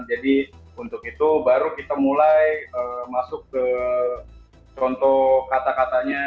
jadi untuk itu baru kita mulai masuk ke contoh kata katanya